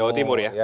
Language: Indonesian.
jawa timur ya